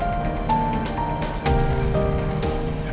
kamu kenapa lagi sih nien